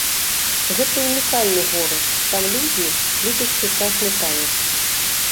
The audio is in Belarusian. Гэта ўнікальны горад, там людзі любяць сучасны танец.